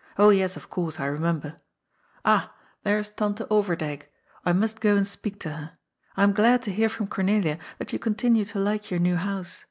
" Oh yes, of course, I remember. Ah, there is Tante Overdyk. I must go and speak to her. I am glad to hear from Cornelia that you continue to like your new house.